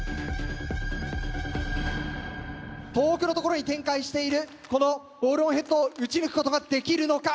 遠くのところに展開しているこのボールオンヘッドを打ち抜くことができるのか？